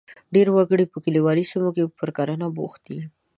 ډېری وګړي په کلیوالي سیمو کې پر کرنه بوخت دي.